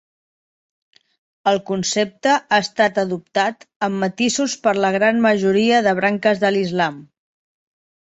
El concepte ha estat adoptat amb matisos per la gran majoria de branques de l'islam.